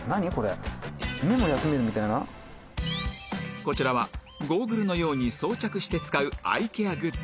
こちらはゴーグルのように装着して使うアイケアグッズ